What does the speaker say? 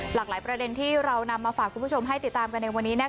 หลากหลายประเด็นที่เรานำมาฝากคุณผู้ชมให้ติดตามกันในวันนี้